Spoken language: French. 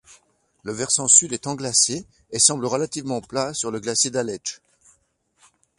Le versant sud est englacé et semble relativement plat sur le glacier d'Aletsch.